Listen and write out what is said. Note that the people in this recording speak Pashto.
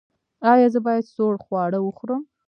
ایا زه باید سوړ خواړه وخورم؟